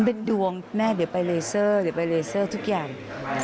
เป็นดวงแม่เดี๋ยวไปเลเซอร์ทุกอย่าง